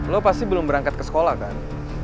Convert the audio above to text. lo pasti belum berangkat ke sekolah kan